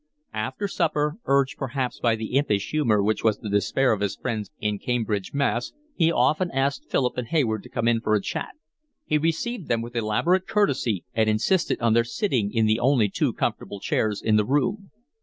After supper, urged perhaps by the impish humour which was the despair of his friends in Cambridge, Mass., he often asked Philip and Hayward to come in for a chat. He received them with elaborate courtesy and insisted on their sitting in the only two comfortable chairs in the room.